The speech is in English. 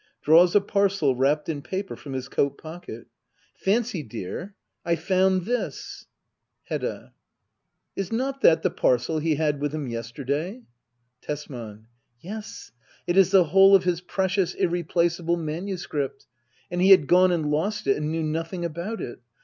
[Draws a parcel, wrapped in paper, from his coat pocket,] Fancy, dear — I found this. Digitized by Google ACT ril.] HEDDA OABLER. 127 Hedda. Is not that the parcel he had with him yesterday? Tesman. Yes, it is the whole of his precious, irreplaceable manuscript ! And he had gone and lost it, and knew nothing about it.